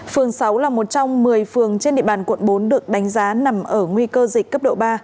phường sáu là một trong một mươi phường trên địa bàn quận bốn được đánh giá nằm ở nguy cơ dịch cấp độ ba